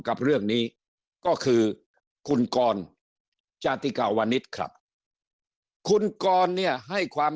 กับเรื่องนี้ก็คือคุณกรจาติกาวนิษฐ์ครับคุณกรเนี่ยให้ความ